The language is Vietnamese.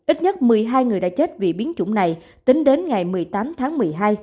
ít nhất một mươi hai người đã chết vì biến chủng này tính đến ngày một mươi tám tháng một mươi hai